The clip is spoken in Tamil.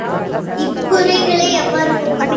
இக்குறைகளை எவ்வாறு போக்கலாம்?